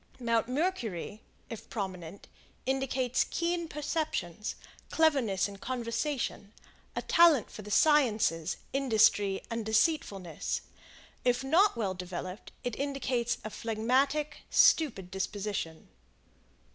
Mount Mercury, if prominent, indicates keen perceptions, cleverness in conversation, a talent for the sciences, industry, and deceitfulness. If not well developed, it indicates a phlegmatic, stupid disposition.